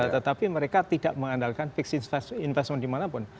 tetapi mereka tidak mengandalkan fixed investment dimanapun